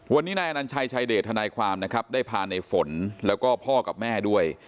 วันนี้นายอนัญชัยชายเดชทนายความนะครับได้พาในฝนแล้วก็พ่อกับแม่ด้วย